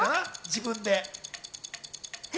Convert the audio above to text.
自分で。